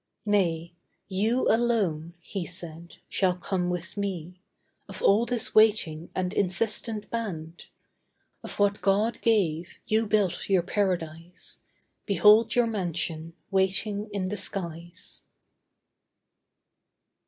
'Nay, you alone,' he said, 'shall come with me, Of all this waiting and insistent band. Of what God gave, you built your paradise; Behold your mansion waiting in the skies.